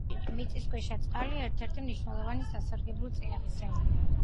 მიწისქვეშა წყალი ერთ-ერთი მნიშვნელოვანი სასარგებლო წიაღისეულია.